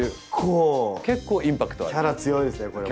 結構キャラ強いですねこれも。